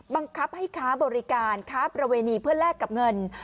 บังคับให้ค้าบริการค้าประเวณีเพื่อแลกกับเงิน